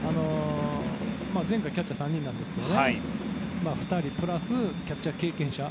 前回キャッチャー３人なんですけど２人プラスキャッチャー経験者。